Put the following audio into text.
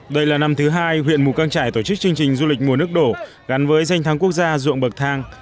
đây là năm thứ hai huyện mù căng trải tổ chức chương trình du lịch mùa nước đổ gắn với danh thắng quốc gia ruộng bậc thang